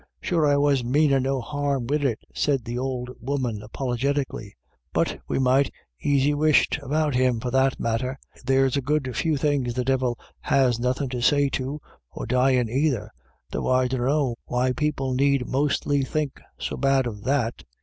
" Sure I was manin' no harm wid it," said the old 18 ; 5 8 IRISH IDYLLS. woman apologetically, * but we might aisy whisht about him for that matter. There's a good few things the Divil has nothin' to say to, or dyin' either, though I dunno why people need mostly think so bad of that.